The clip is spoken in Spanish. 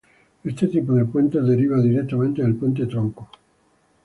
Este tipo de puentes deriva directamente del puente tronco.